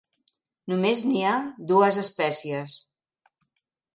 Només n'hi ha dues espècies.